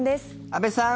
安部さん